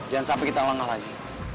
jangan sampai kita lengah lagi